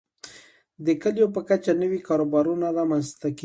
د کليو په کچه نوي کاروبارونه رامنځته کیږي.